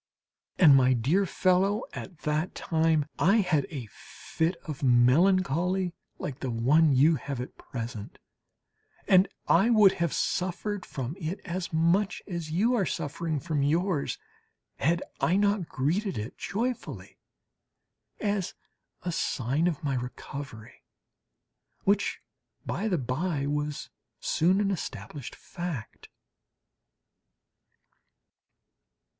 And, my dear fellow, at that time I had a fit of melancholy like the one you have at present, and I would have suffered from it as much as you are suffering from yours, had I not greeted it joyfully as a sign of my recovery, which, by the by, was soon an established fact.